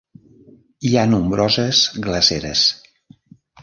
Hi ha nombroses glaceres.